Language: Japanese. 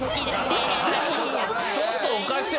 ちょっとおかしい。